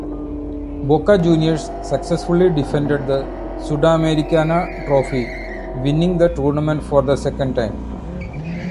Boca Juniors successfully defended the Sudamericana trophy, winning the tournament for the second time.